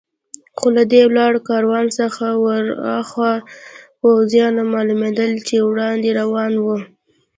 خو له دې ولاړ کاروان څخه ور هاخوا پوځیان معلومېدل چې وړاندې روان و.